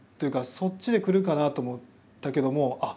そっちでくるかなと思ったけどもあっ